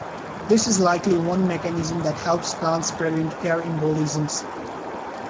This is likely one mechanism that helps plants prevent air embolisms.